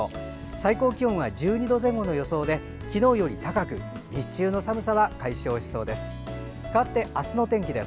最高気温は１２度前後の予想で昨日より高く、日中の寒さは解消しそうです。